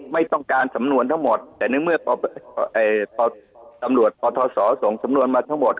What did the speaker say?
ไม่ต้องการสำนวนทั้งหมดแต่ในเมื่อตำรวจปทศส่งสำนวนมาทั้งหมด